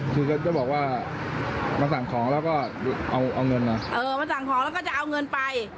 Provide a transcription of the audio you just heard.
คือก็จะบอกว่ามาสั่งของแล้วก็เอาเอาเงินอ่ะเออมาสั่งของแล้วก็จะเอาเงินไป